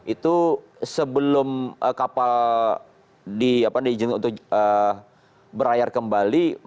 itu sebelum kapal diizinkan untuk berlayar kembali